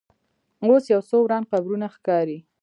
اوس یو څو وران قبرونه ښکاري.